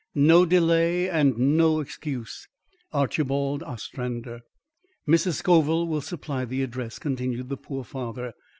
No delay and no excuse. ARCHIBALD OSTRANDER. "Mrs. Scoville will supply the address," continued the poor father.